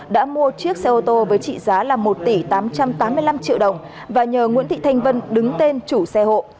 đã mua chiếc xe ô tô với trị giá một tỷ tám trăm tám mươi năm triệu đồng và nhờ nguyễn thị thanh vân đứng tên chủ xe hộ